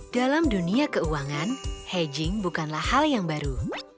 dalam dunia keuangan hedging bukanlah hal yang baru